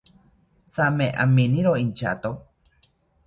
Thame aminiro inchato